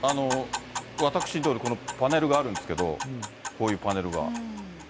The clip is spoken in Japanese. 私の所に、パネルがあるんですけど、こういうパネルが。